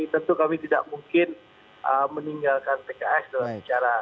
tentu kami tidak mungkin meninggalkan pks dalam bicara